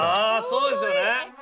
そうですよね。